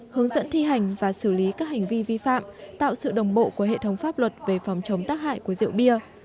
hướng dẫn thi hành và xử lý các hành vi vi phạm tạo sự đồng bộ của hệ thống pháp luật về phòng chống tác hại của rượu bia